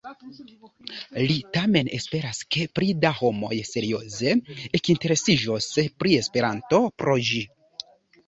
Li tamen esperas, ke pli da homoj serioze ekinteresiĝos pri Esperanto pro ĝi.